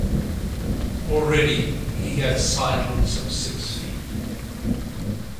Already he had sidled some six feet.